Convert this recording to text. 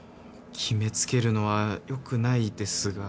決め付けるのはよくないですが。